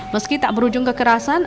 meski tak berujung kekerasan